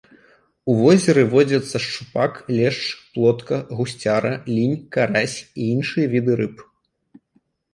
У возеры водзяцца шчупак, лешч, плотка, гусцяра, лінь, карась і іншыя віды рыб.